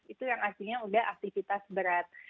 itu yang artinya sudah aktivitas berat